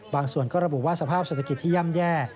บางส่วนก็ระบุว่าสภาพเศรษฐกิจที่ย่ำแย่